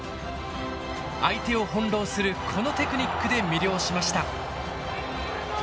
相手を翻弄するこのテクニックで魅了しました。